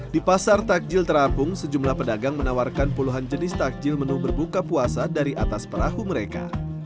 di pasar takjil terapung sejumlah pedagang menawarkan puluhan jenis takjil menu berbuka puasa dari atas perahu mereka